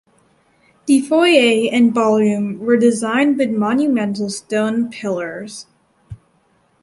The foyer and ballroom were designed with monumental stone pillars.